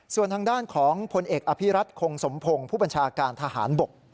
ส่วนทางด้านของพลเอกอภิรัตคงสมพงศ์ผู้บัญชาการทหารบก